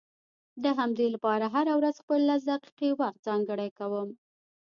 د همدې لپاره هره ورځ خپل لس دقيقې وخت ځانګړی کوم.